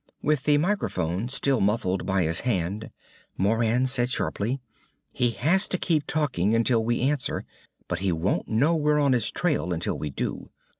With the microphone still muffled by his hand, Moran said sharply, "He has to keep talking until we answer, but he won't know we're on his trail until we do.